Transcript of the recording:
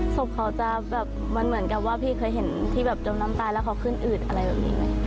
ศพเขาจะแบบมันเหมือนกับว่าพี่เคยเห็นที่แบบจมน้ำตายแล้วเขาขึ้นอืดอะไรแบบนี้ไหม